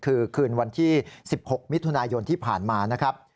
คือคืนวันที่๑๖มิถุนายนที่ผ่านมานะครับ